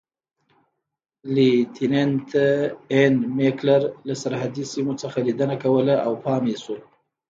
لیتننت اېن میکلر له سرحدي سیمو څخه لیدنه کوله او پام یې شو.